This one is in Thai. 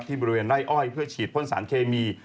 บริเวณไร่อ้อยเพื่อฉีดพ่นสารเคมี